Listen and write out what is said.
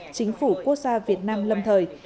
chính phủ quốc gia việt nam lâm thời